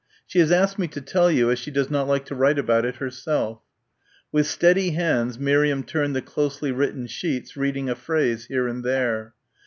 She has asked me to tell you as she does not like to write about it herself." With steady hands Miriam turned the closely written sheets reading a phrase here and there